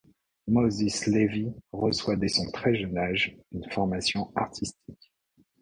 Moses Levy reçoit dès son très jeune âge une formation artistique.